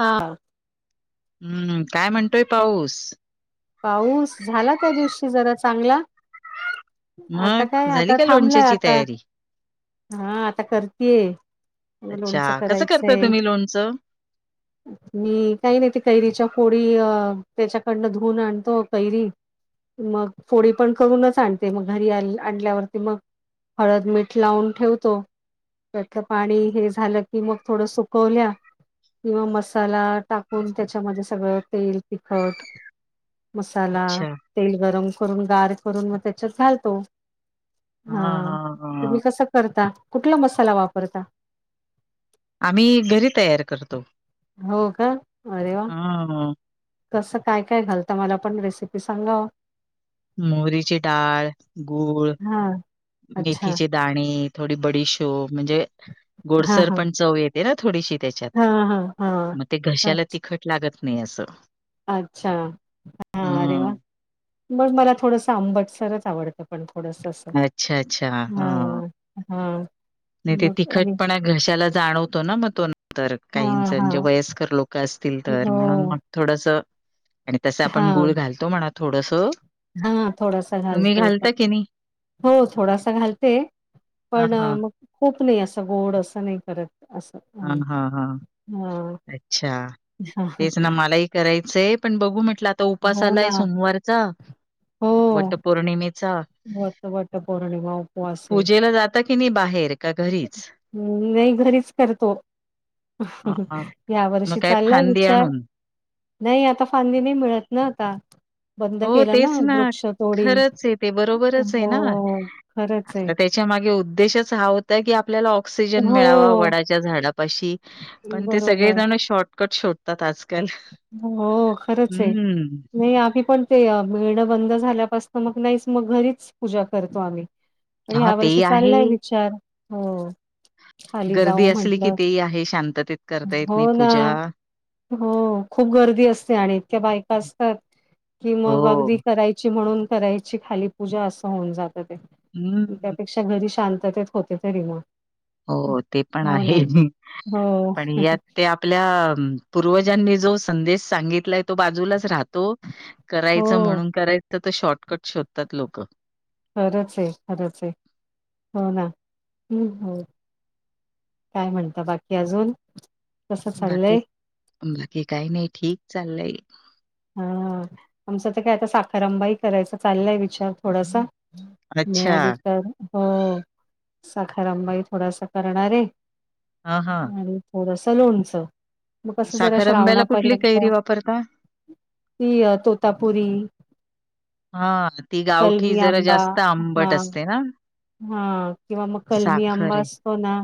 हा. हम्म काय म्हणतोय पाऊस. पाऊस झाला त्या दिवशी जरा चांगला. आता काय मग झाली आता का थांबलं लोणच्याची आता, तयारी? हा आता करतीये. म लोणचं अच्छा, कसं करता करायचंय, तुम्ही लोणचं? मी काही नाही, ते कैरीच्या फोडी अ त्याच्याकडनं धु धुन आणतो, कैरी. मग फोडी पण करूनच आणते, मग घरी आणल्यावरती मग, हळद मीठ लावून ठेवतो. त्यातलं पाणी हे झालं की, मग थोडं सुकवल्या, किंवा मसाला टाकून, त्याच्यामध्ये सगळं तेल तिखट, मसाला, अच्छा. तेल गरम करून, गार करून, म त्याच्यात घालतो. हा हां, हां, तुम्ही हां. कसं करता, कुठला मसाला वापरता. आम्ही घरी तयार करतो, हो का? अरे वाह! ह. कसं काय काय घालत, मला पण रेसिपी सांगाव. मोरीची डाळ, गूळ, हा. मेथीचे दाणे, थोडी बडीशो म्हणजे हां, गोडसर हां. पण चव येत ना थोडीशी त्याच्यात, हां, हां, हां. मग ते हां. घशाला तिखट लागत नाही असं. अच्छा हा अरे वा. हं. बघ मला थोडस अंबटसरच आवडतं, पण थोडस अस, अच्छा, अच्छा. हां. ह. हा. नाही ते तिखटपणा घशाला जाणवतो ना, म तो नंतर हां, काहीच म्हणजे हां. वयस्कर लोक असतील तर म्हणून मग हो. थोडस, आणि तस आपण गुळ घालतो म्हणा थोडस, हा थोडासा घालतो आपण. नाही? हो थोडासा घालते, हां, पण हां. म खूप नाही असं, गोड असं, नाही करत, असं. हा आम्ही. हा हा, हां. अच्छा, तेच ना, मला एक करायचंय पण बघू म्हटलं, आता हो उपास ना आलाय सोमवारचा हो वट पौर्णिमेचा, वट वट पौर्णिमा उपवास आहे. पूजेला जात ता कि नाही बाहेर, का घरीच? हम् नाही घरीच करत. हां, या मग वर्षी काय चाललाय फांदी विचार. आणून? नाही आता फांदी नाही मिळत ना, आता. बंद हो केलं तेच ना, वृक्ष तोडी खरंचे ते, बरोबरचे हो ना खरंच आहे. आता त्या च्या उद्देशच हा होता की, आप आपल्याला ऑक्सिजन मिळावा हो वडाच्या झाडापाशी पण ते बरोबर सगळेजण शॉर् फटकट सोडतात आजकाल हो खरंच आहे. हम्म. नाही आी पण ते मिळणं बंद झाल्यापासत मग नाहीच मग घरीच पूजा करतो आम्ही पण हां, ह्या तेही वर्षी आहे. चाललाय विचार हो. खाली गर्दी जाऊ असली की म्हंटलं तेही आहे शांततेत करता येत नाही हो ना पूजा हो खूप गर्दी असते आणि इतक्या बायका असतात की मग अगदी हो. करायची. म्हण करा खाली पूजा अस होन जाता. हम्म. च्या घरी शांततेत होते तरी मग हं. हो ते पण हो आहे ना. हो, पण या त्या आपल्या पूर्वजांनी जो संदेश सांगितलाय तो बाजूलाच राहतो. तो करायचा हो. म्हणून करायचं तर शॉर्टकट शोधतात लोक खरंच आहे खरंच आहे हो ना हो. काय म्हणत बाकी अजून कसं बाकी चाललंय? बाकी काही नाही ठीक चाललंय. हा आमचं तर काय आता साखरांंबा ह करायचा चाललाय विचार थोडासा अच्छा. मिळाली तर हो साखारंबाई थोडासा करणार आहे हां, हां. आणि होरसं लोणचं मग कसं जरा श्रावणापर्यंत परता ह तोतापुरी हा ती गावठी कलमी जरा आंबा जास्त हा आंबट असते ना. हा किंवा मग कलमी साखर आंबा आहे. असतो ना.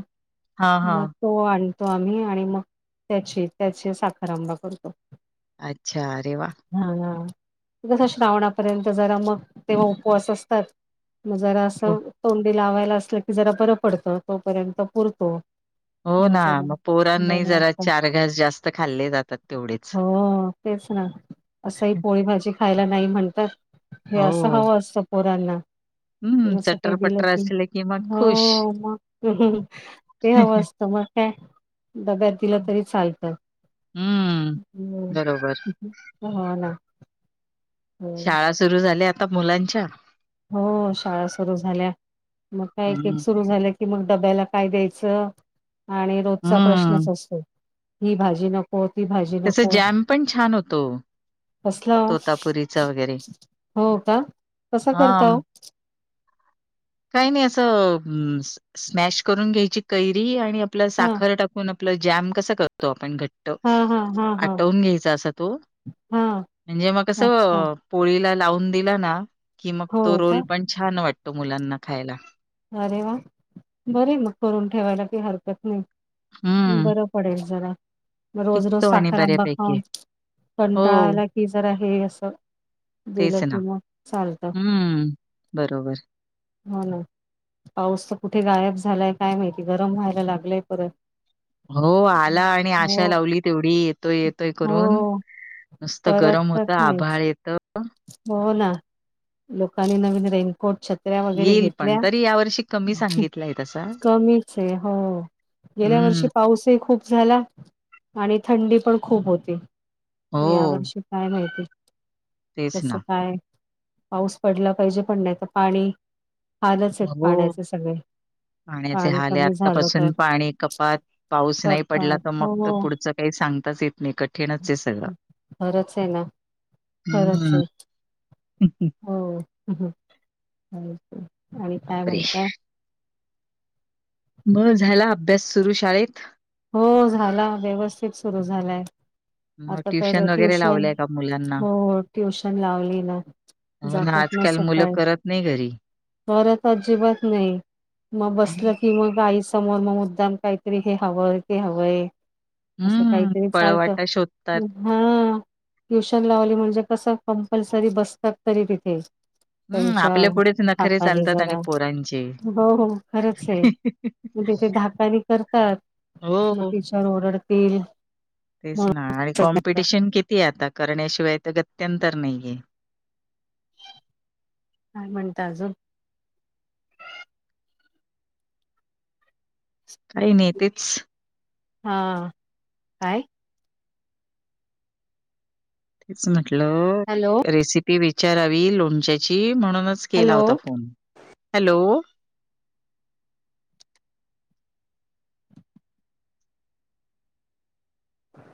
हां, मग हां. तो आणतो आम्ही आणि मग त्याची त्याची साखरंबा करतो. अच्छा अरे वा. हा कसं श्रावणापर्यंत जरा मग तेव्हा उपवास असतात. मग जरा हो, असं तोंडी लावायला असलं की जरा बरं पडतं तोपर्यंत पुरतो. हो ना मग पोरां नाही बरं जरा वाटतं चार घास जास्त खाल्ले जातात तेवढेच हो तेच ना असं ही पोळी भाजी खायला नाही म्हणतात हे असं हो. हवं असतं पोरांना हं, असं काही दिलं चटर-पटर की असले मग खुश. हो मग ते हवं असतं मग काय डब्या दिलं तरी चालतं. हं, बरोबर. ह् हो ना. हो शाळा सुरू झाल्या आता मुलांच्या हो शाळा सुरू झाल्या मग काय एक हं, सुरू झाल्या. कि मग डब्याला काय द्यायचं आणि रोजचा हं. प्रश्नच असतो ही भाजी नक कोती भाजी त्याचा नको. जॅम पण छान होतो, कसला तोतापुरीचा वगैरे. हो का कसा करता. काय नाही असं स्मॅश करून घ्यायची कैरी आणि आपलं हा साखर टाकून आपलं जॅम कसं करतो आपण घट हा हा हा हा आटवून घ्यायच असं तू हा म्हणजे मग कस? अच्छा पोळीला लावून दिला ना की मग तो हो रोल का पण छान वाटतो मुलांना खायला अरे वा बरे मग करून ठेवायला काही हरकत नाही. हं, बरं पडेल जरा रोज रोज टिकतो आणि साखर आंबा बऱ्यापैकी. खाऊन हो, कंटाळायला कि जर आहे असं. दिलं तेच ना. किंवा चालत हं, बरोबर. हो ना. पाऊस तर कुठे गायब झालाय काय माहिती गरम व्हायला लागलाय परत हो आला आणि हो आशा लावली तेवढी येतोय येतोय हो करून नुसतं परत गरम तर होत नाही आभाळ येत. हो ना लोकांनी नवीन रेनकोटच्या ल्या वगैरे येईल घेतल्या पण. तरी यावर्षी कमी सांगितलाय तसा. कमीच ये हो गेल्या वर्षी हं, पाऊसही खूप झाला आणि थंडी पण खूप होती या हो. वर्षी काय माहिती तेच ना कसं काय पाऊस पडला पाहिजे पण नाही तर पाणी हालच आहेत हो पाण्याचे सगळे पाण्याचे पाणी हाल आहे कमी झालं तर आत्तापासून पाणी कपात पाऊस नाही पडला कपात त मग हो तर हो, पुढच काही सांगताच येत नाही कठीणच ये सगळं खरंच ये ना खरंच हम्म ये हो आणि काय बापरे म्हणताय मग झाला अभ्यास सुरू शाळेत हो झाला व्यवस्थित सुरू झालाय मग आता तर वगैरे ट्युशन लावलंय का मुलांना? हो ट्युशन लावली ना हो जातात ना आजकाल मुलं सकाळी करत नाही घरी. करत अजिबात नाही मग हम्म बसलं की मग आई समोर मग मुद्दाम काहीतरी हे हवंय ते हवंय असं हम्म, काहीतरी चालतं पळवाटा शोधतात. हम्म ट्युशन लावली म्हणजे कसं कंपल्सरी बसतात तरी तिथे हम्म त्यांच्या आपल्या पुढेच नखरे भापाने चालतात जरा आणि पोरांचे. हो हो खरच आहे मग तिथे धाकानी करतात मग हो तिच्यावर ओरडतील तेच ना म्हणून आणि काय कॉम्पिटिशन किती आहे आता करण्याशिवाय तर गत्यंतर नाहीये काय म्हणता अजून काही नाही तेच हा काय रीच म्हटलं हॅलो रेसिपी विचारावी लोणच्याची म्हणूनच स्केला हॅलो होता फोन हॅलो ह